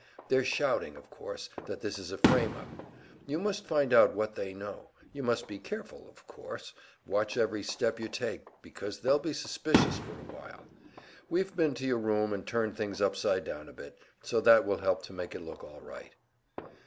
They're shouting, of course, that this is a `frame up.' You must find out what they know. You must be careful, of course watch every step you take, because they'll be suspicious for a while. We've been to your room and turned things upside down a bit, so that will help to make it look all right."